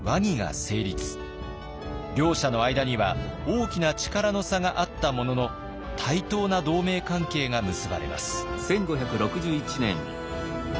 両者の間には大きな力の差があったものの対等な同盟関係が結ばれます。